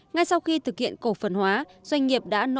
ngay sau khi thực hiện cổ phần hóa doanh nghiệp đã nỗ lực tìm kiếm